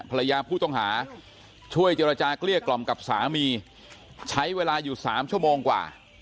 ภรรยาผู้ต้องหาช่วยเจรจาเกลี้ยกล่อมกับสามีใช้เวลาอยู่๓ชั่วโมงกว่า